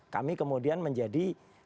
kami kemudian menjadi